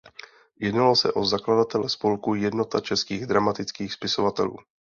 Jednalo se o zakladatele spolku Jednota českých dramatických spisovatelů.